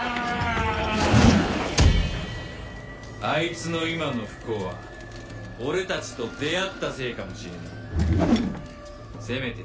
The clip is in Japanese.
あいつの今の不幸は俺たちと出会ったせいかもしれねえ。